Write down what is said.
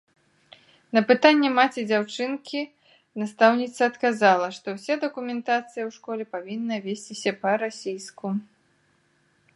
На пытанне маці дзяўчынкі настаўніца адказала, што ўся дакументацыя ў школе павінна весціся па-расійску.